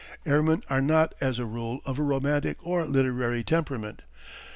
_] Airmen are not, as a rule, of a romantic or a literary temperament.